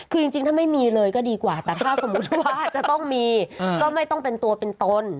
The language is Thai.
คือจริงถ้าไม่มีเลยก็ดีกว่าแต่ถ้าสมมุติว่าจะต้องมีก็ไม่ต้องเป็นตัวเป็นตน